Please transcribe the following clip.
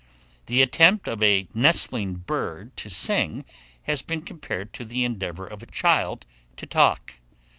The attempt of a nestling bird to sing has been compared to the endeavour of a child to talk.